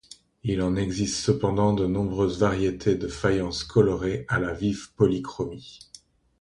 Il en existe cependant de nombreuses variétés de faïences colorées à la vive polychromie.